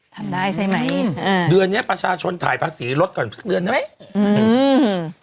ทำได้ใช่มั้ยเดือนเนี่ยประชาชนถ่ายภาษีลดก่อนปีสักเดือนเนี้ยไหมอืม